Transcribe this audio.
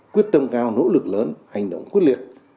quyết tâm cao nỗ lực lớn hành động quyết liệt